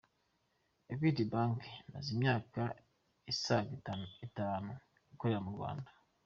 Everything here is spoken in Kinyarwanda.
Equity Bank imaze imyaka isaga itanu ikorera mu Rwanda.